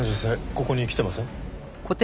ここに来てません？